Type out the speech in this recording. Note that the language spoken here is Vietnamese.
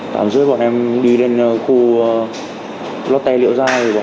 tầm tám h ba mươi bọn em đi đến khu lót te liệu dao